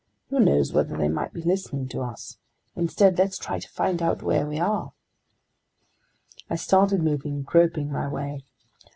Who knows whether they might be listening to us? Instead, let's try to find out where we are!" I started moving, groping my way.